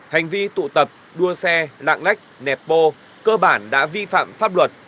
hành vi tụ tập đua xe lạng lách nẹp bô cơ bản đã vi phạm pháp luật